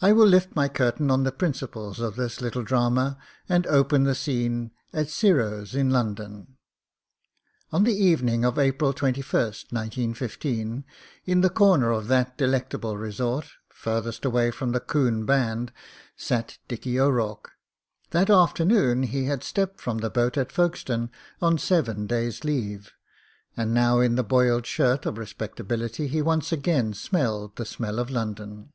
I will lift my curtain on the principals of this little dr^ma, and open the scene at Giro's in London. On the evening of April 21st, 1915, in the comer of that de lectable resort, farthest away from the coon band, sat Dickie O'Rourke. That afternoon he had stepped THE MOTOR GUN 25 from the boat at Folkestone on seven days' leave, and now in the boiled shirt of respectability he once again smelled the smell of London.